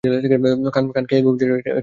খান, খেয়ে ঘুমিয়ে যান এইটা নকশা।